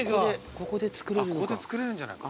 ここで作れるのか。